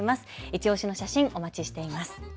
いちオシの写真、お待ちしています。